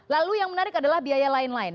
lalu yang menarik adalah biaya lain lain